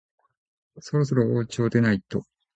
そろそろおうちを出ないと